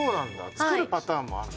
作るパターンもあるんだ。